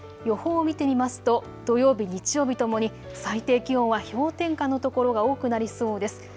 予報を見てみますと土曜日、日曜日ともに最低気温は氷点下の所が多くなりそうです。